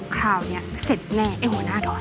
คราวนี้เสร็จแน่ไอ้หัวหน้าดอน